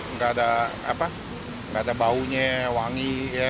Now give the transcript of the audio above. nggak ada apa nggak ada baunya wangi ya